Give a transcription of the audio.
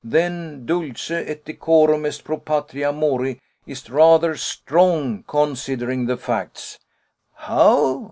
Then 'Dulce et decorum est pro patria mori' is rather strong, considering the facts." "How?